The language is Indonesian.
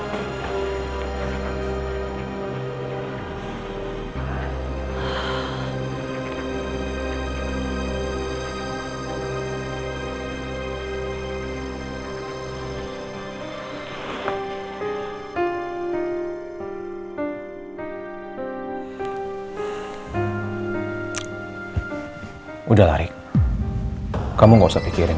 kamu mau khawatir itu ntar akses pela bawa koskaron